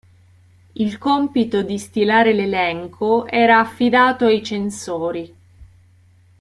Il compito di stilare l'elenco era affidato ai censori.